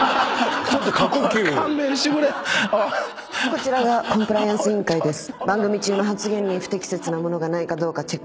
こちらがコンプライアンス委員会です。